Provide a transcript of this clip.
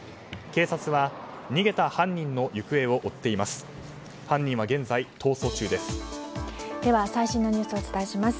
警察は逃げた犯人の行方を追っています。